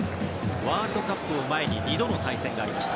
ワールドカップを前に２度の対戦がありました。